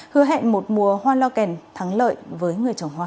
hứa hẹn một mùa hoa lo kèn thắng lợi với người trồng hoa